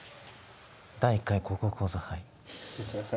「第１回高校講座杯」。